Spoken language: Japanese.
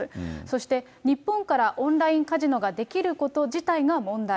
そして、日本からオンラインカジノができること自体が問題。